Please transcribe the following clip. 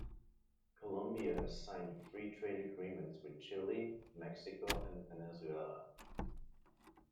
Colombia has signed free-trade agreements with Chile, Mexico, and Venezuela.